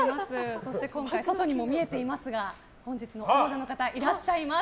そして今回外にも見えていますが本日も王者の方いらっしゃいます。